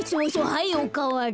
はいおかわり。